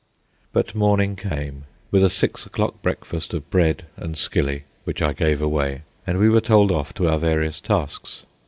But morning came, with a six o'clock breakfast of bread and skilly, which I gave away, and we were told off to our various tasks.